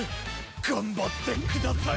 頑張ってください！